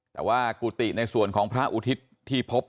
แต่ว่ากุฏิในส่วนของพระอุทิศที่พบ